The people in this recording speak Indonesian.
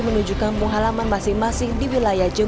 menunjukkan penghalaman masing masing di wilayah jember